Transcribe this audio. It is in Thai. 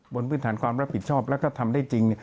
บนพื้นฐานความรับผิดชอบแล้วก็ทำได้จริง